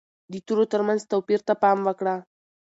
د تورو ترمنځ توپیر ته پام وکړه.